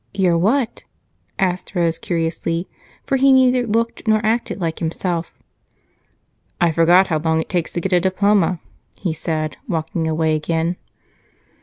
"Your what?" asked Rose curiously, for he neither looked nor acted like himself. "I forgot how long it takes to get a diploma," he said, walking away again.